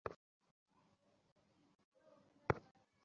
এই ক্ষতিটাই যামিনী কবিরাজের বৌকে কাবু করিয়াছে সবচেয়ে বেশি।